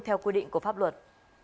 theo quy định của pháp luật